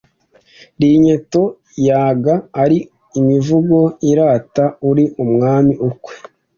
Iinyeto yaga ari imivugo irata uri mwami ukwe